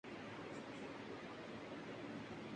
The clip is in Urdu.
گاڑی کو چلنے کا حکم جاری کر دیا